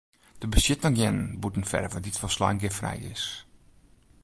Der bestiet noch gjin bûtenferve dy't folslein giffrij is.